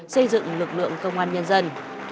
xây dựng lực lượng công an nhân dân